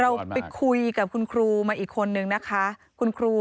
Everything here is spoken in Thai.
เราไปคุยกับคุณครูมาอีกคนนึงนะคะคุณครู